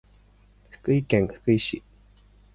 福井県福井市